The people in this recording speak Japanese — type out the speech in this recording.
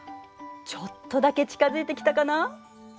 ちょっとだけ近づいてきたかな。